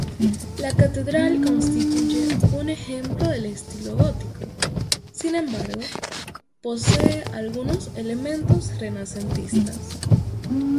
La catedral constituye un ejemplo del estilo gótico, sin embargo, posee algunos elementos renacentistas.